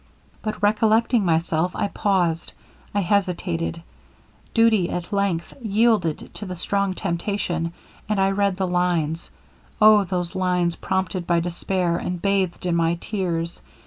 But recollecting myself, I paused I hesitated: duty at length yielded to the strong temptation, and I read the lines! Oh! those lines prompted by despair, and bathed in my tears!